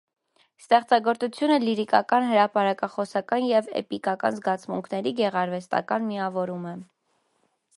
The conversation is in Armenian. Ստեղծագործությունը լիրիկական, հրապարակախոսական և էպիկական սկզբունքների գեղարվեստական միավորում է։